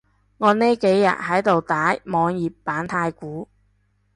我呢幾日喺度打網頁版太鼓